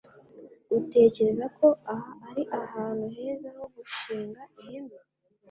Utekereza ko aha ari ahantu heza ho gushinga ihema?